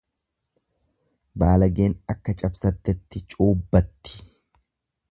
Baalageen akka cabsattetti cuubbatti.